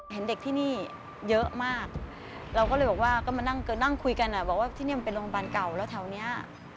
เห็นเด็กที่นี่เยอะมากเราก็เลยบอกว่าก็มานั่งคุยกันอ่ะบอกว่าที่นี่มันเป็นโรงพยาบาลเก่าแล้วแถวนี้